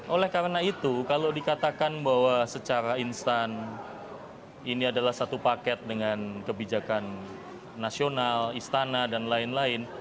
oleh karena itu kalau dikatakan bahwa secara instan ini adalah satu paket dengan kebijakan nasional istana dan lain lain